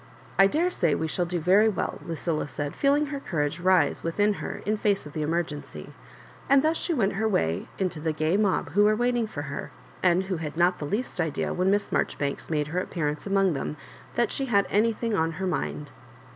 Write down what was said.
"T daresay we shall do very well," Lucilla said, feeling her courage rise within her in face of the emergency ; and thus she went her way into the gay mob who were waiting for her, and who bad not the least idea w^ben Miss Marjori banks made her appearance among them that she had anything on her mind.